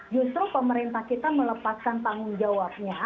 justru pemerintah kita melepaskan tanggung jawabnya